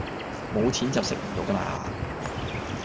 冇錢就食唔到架喇